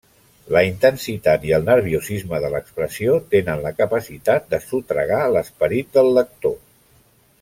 La intensitat i el nerviosisme de l'expressió tenen la capacitat de sotragar l'esperit del lector.